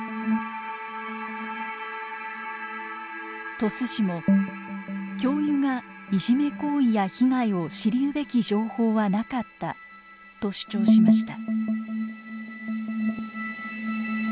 鳥栖市も「教諭がいじめ行為や被害を知りうべき情報はなかった」と主張しました。